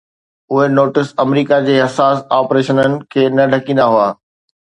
اهي نوٽس آمريڪا جي حساس آپريشنن کي نه ڍڪيندا هئا